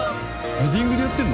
ヘディングでやってるの？